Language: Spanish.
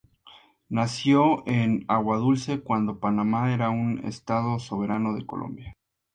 Nació en Aguadulce, cuando Panamá era aún un estado soberano de Colombia.